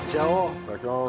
いただきます。